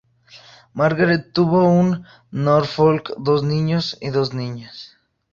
Margaret tuvo con Norfolk dos niños y dos niñas.